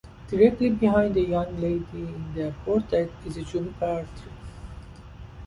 Directly behind the young lady in the portrait is a juniper tree.